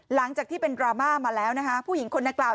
หลังจากที่เป็นดราม่ามาแล้วนะคะผู้หญิงคนนักกล่าว